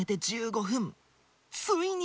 ついに！